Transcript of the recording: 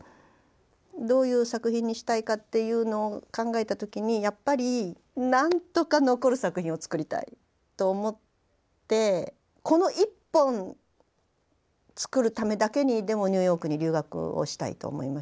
どういう作品にしたいかっていうのを考えた時にやっぱり何とか残る作品を作りたいと思ってこの１本作るためだけにでもニューヨークに留学をしたいと思いましたね。